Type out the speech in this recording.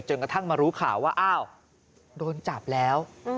กระทั่งมารู้ข่าวว่าอ้าวโดนจับแล้ว